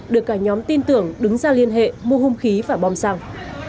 được cả nhóm tin tưởng đứng ra liên hệ mua hông khí và bom sàng